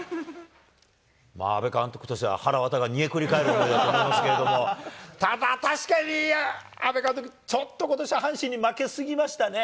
阿部監督としては、はらわたが煮えくり返る思いだと思いますけれども、ただ確かに、阿部監督、ちょっとことしは阪神に負け過ぎましたね。